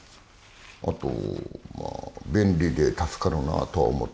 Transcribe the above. あとまあ便利で助かるなとは思ってる。